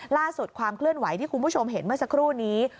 ความเคลื่อนไหวที่คุณผู้ชมเห็นเมื่อสักครู่นี้